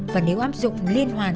và nếu áp dụng liên hoàn